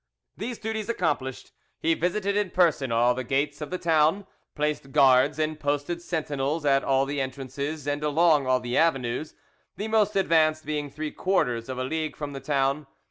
These duties accomplished, he visited in person all the gates of the town, placed guards and posted sentinels at all the entrances and along all the avenues, the most advanced being three quarters of a league from the town.